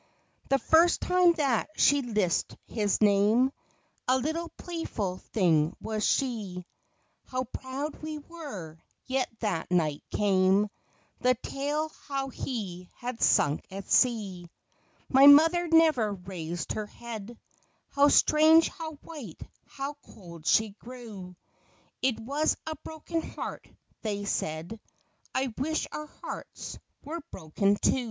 The first time that she lisp'd his name, A little playful thing was she; How proud we were —yet that night came The tale how he had sunk at sea. My mother never raised her head — How strange, how white, how cold she grew It was a broken heart, they said — I wish our hearts were broken too.